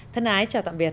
thân ái chào tạm biệt